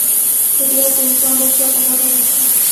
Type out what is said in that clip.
طبیعت د انسان روغتیا ته ګټه رسوي.